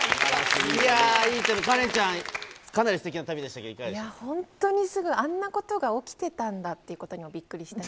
カレンちゃん、かなりすてき本当にすぐ、あんなことが起きてたんだっていうことにびっくりしたし。